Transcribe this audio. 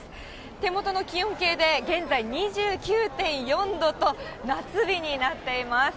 手元の気温計で現在２９．４度と、夏日になっています。